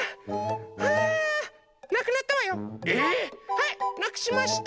⁉はいなくしました。